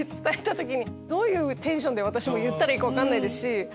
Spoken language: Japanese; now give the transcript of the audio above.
どういうテンションで私言ったらいいか分かんないですし。